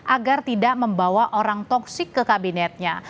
agar tidak membawa orang toksik ke kabinetnya